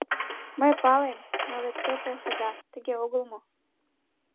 — Мый палем, но вет те полшеда... тыге огыл мо?